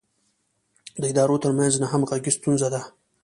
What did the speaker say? د ادارو ترمنځ نه همغږي ستونزه ده.